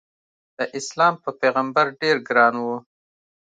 داسلام په پیغمبر ډېر ګران و.